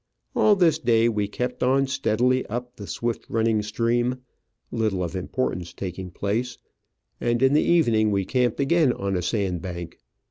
All this day we kept on steadily up the swift running stream, little of importance taking place, and in the evening we camped again on a sand bank.